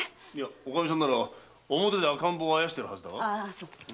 おかみさんなら表で赤ん坊をあやしてるはずだが？